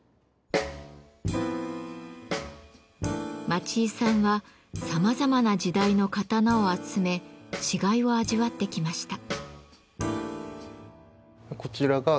町井さんはさまざまな時代の刀を集め違いを味わってきました。